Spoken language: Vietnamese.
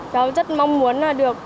cháu rất mong muốn là được